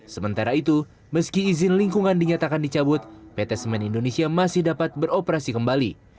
sementara itu meski izin lingkungan dinyatakan dicabut pt semen indonesia masih dapat beroperasi kembali